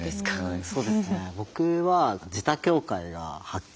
そうですね。